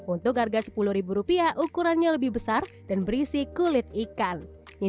untuk harga rp sepuluh ukurannya lebih besar dan berisi kulit ikan